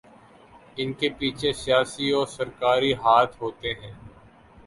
انکے پیچھے سیاسی و سرکاری ہاتھ ہوتے ہیں